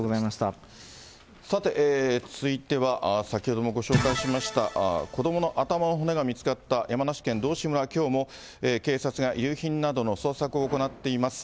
さて、続いては、先ほどもご紹介しました、子どもの頭の骨が見つかった山梨県道志村、きょうも警察が遺留品などの捜索を行っています。